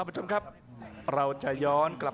อัศวินาศาสตร์